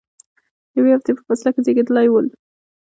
یوې هفتې په فاصله کې زیږیدلي ول.